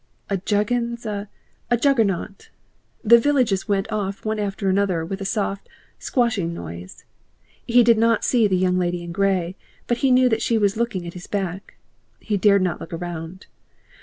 a juggins, ah! a Juggernaut. The villages went off one after another with a soft, squashing noise. He did not see the Young Lady in Grey, but he knew she was looking at his back. He dared not look round.